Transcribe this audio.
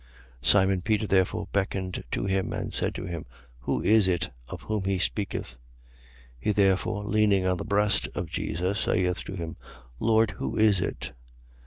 13:24. Simon Peter therefore beckoned to him and said to him: Who is it of whom he speaketh? 13:25. He therefore, leaning on the breast of Jesus, saith to him: Lord, who is it?